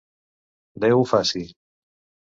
Déu ho faci!